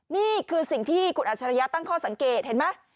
นี่คือสิ่งที่คุณอัจฉริยะตั้งข้อสังเกตเห็นไหม